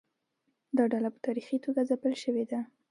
دا ډله په تاریخي توګه ځپل شوې ده.